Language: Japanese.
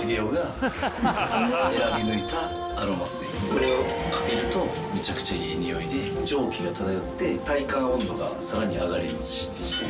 これをかけるとめちゃくちゃいい匂いで蒸気が漂って体感温度がさらに上がりまして。